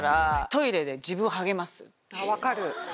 分かる。